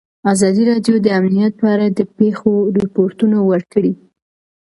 ازادي راډیو د امنیت په اړه د پېښو رپوټونه ورکړي.